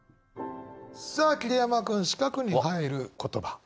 さあ桐山君四角に入る言葉。